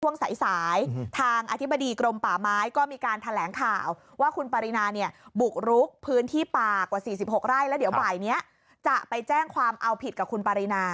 ช่วงสายทางอธิบดีกรมป่าไม้ก็มีการแถลงข่าวว่าคุณปรินาเนี่ยบุกรุกพื้นที่ป่ากว่า๔๖ไร่แล้วเดี๋ยวบ่ายนี้จะไปแจ้งความเอาผิดกับคุณปรินา